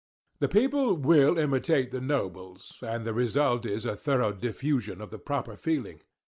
The people _will _imitate the nobles, and the result is a thorough diffusion of the proper feeling.